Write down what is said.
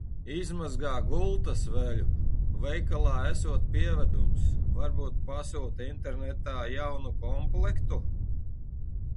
Izmazgā gultasveļu! Veikalā esot pievedums. Varbūt pasūti internetā jaunu komplektu?